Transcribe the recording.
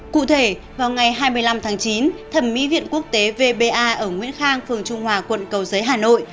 cụ thể vào ngày hai mươi năm tháng chín thẩm mỹ viện quốc tế vba ở nguyễn khang phường trung hòa quận cầu giấy hà nội